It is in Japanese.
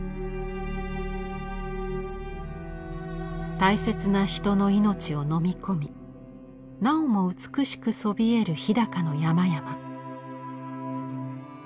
大切な人の命をのみ込みなおも美しくそびえる日高の山々。